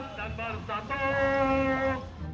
harga latar bersatu